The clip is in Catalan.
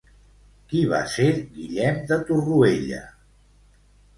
Qui va ser Guillem de Torroella?